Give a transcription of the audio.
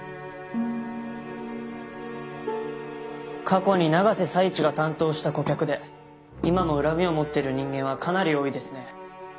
過去に永瀬財地が担当した顧客で今も恨みを持ってる人間はかなり多いですね